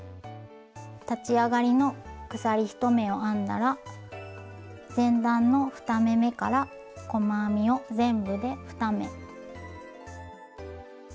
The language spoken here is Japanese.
立ち上がりの鎖１目を編んだら前段の２目めから細編みを全部で２目。